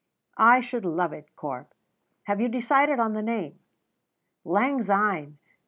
"I should love it, Corp! Have you decided on the name?" "Lang syne.